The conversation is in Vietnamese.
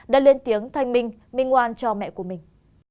đã lên tiếng thanh minh minh ngoan cho mẹ của mình